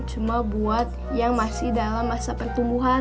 cuma buat yang masih dalam masa pertumbuhan